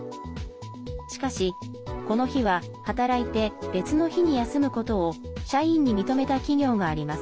しかし、この日は働いて別の日に休むことを社員に認めた企業があります。